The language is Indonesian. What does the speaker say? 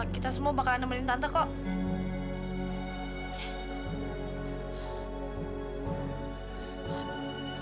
kita semua bakal nemenin tante kok